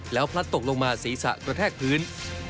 แล้วพลัดตกลงมาศีรษะกระแทกพื้น